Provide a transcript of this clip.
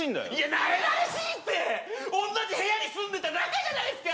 なれなれしいっておんなじ部屋に住んでた仲じゃないっすか